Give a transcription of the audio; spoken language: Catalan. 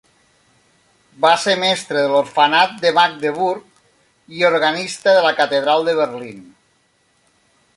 Va ser mestre de l'Orfenat de Magdeburg i organista de la Catedral de Berlín.